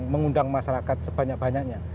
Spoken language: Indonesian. mengundang masyarakat sebanyak banyaknya